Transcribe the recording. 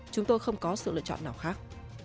chúng tôi không có sự lựa chọn nào khác